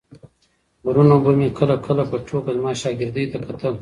وروڼو به مې کله کله په ټوکه زما شاګردۍ ته کتل.